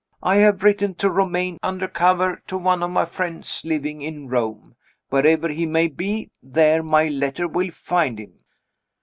I have written to Romayne, under cover to one of my friends living in Rome. Wherever he may be, there my letter will find him."